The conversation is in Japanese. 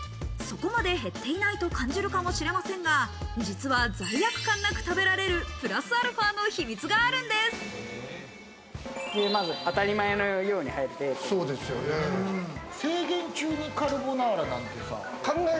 そこまで減っていないと感じるかもしれませんが、実は罪悪感なく食べられる、プラスアルファの秘密があるんで当たり前のように入っているベーコン。